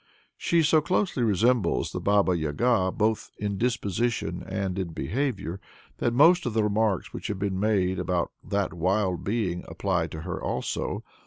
She so closely resembles the Baba Yaga both in disposition and in behavior, that most of the remarks which have been made about that wild being apply to her also.